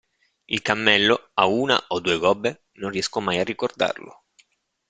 Il cammello ha una o due gobbe? Non riesco mai a ricordarlo.